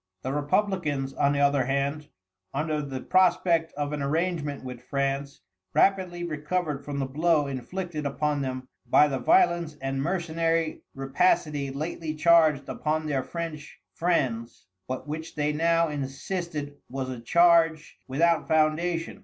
The Republicans, on the other hand, under the prospect of an arrangement with France, rapidly recovered from the blow inflicted upon them by the violence and mercenary rapacity lately charged upon their French friends, but which they now insisted, was a charge without foundation.